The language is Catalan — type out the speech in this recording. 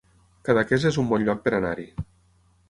Cadaqués es un bon lloc per anar-hi